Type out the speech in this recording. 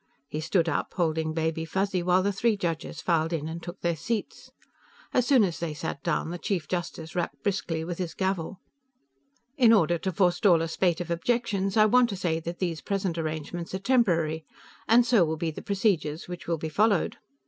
He stood up, holding Baby Fuzzy, while the three judges filed in and took their seats. As soon as they sat down, the Chief Justice rapped briskly with his gavel. "In order to forestall a spate of objections, I want to say that these present arrangements are temporary, and so will be the procedures which will be followed.